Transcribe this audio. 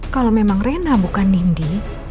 kalau memang rena bukan nindi